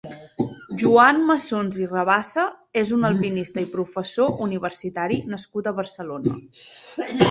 Joan Massons i Rabassa és un alpinista i professor universitari nascut a Barcelona.